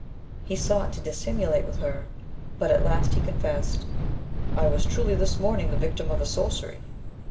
He sought to dissimulate with her, but at last he confessed, 'I was truly this morning the victim of a sorcery.'